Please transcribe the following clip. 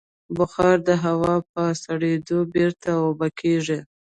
بخار د هوا په سړېدو بېرته اوبه کېږي.